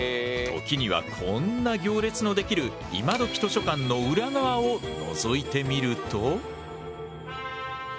時にはこんな行列の出来る今どき図書館の裏側をのぞいてみると。